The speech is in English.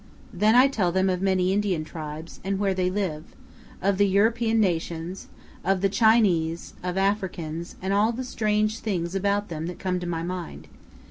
Then I tell them of many Indian tribes, and where they live; of the European nations; of the Chinese, of Africans, and all the strange things about them that come to my mind.